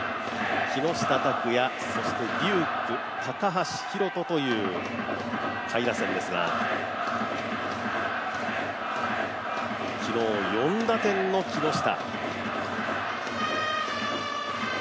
木下拓哉、そして龍空、高橋宏斗という下位打線ですが昨日、４打点の木下。